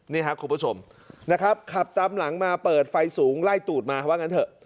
นี่ครับคุณผู้ชมนะครับขับตามหลังมาเปิดไฟสูงไล่ตูดมาว่างั้นเถอะ